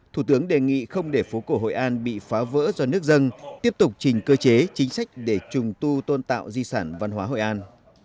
thủ tướng đề nghị không để phố cổ hội an bị phá vỡ do nước dân tiếp tục trình cơ chế chính sách để trùng tu tôn tạo di sản văn hóa hội an